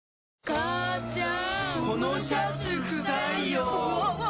母ちゃん！